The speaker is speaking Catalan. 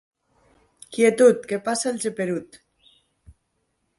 Quietud, que passa el geperut.